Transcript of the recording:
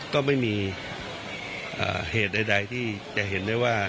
ก็ไม่มีเหตุใดที่จะเห็นได้ว่า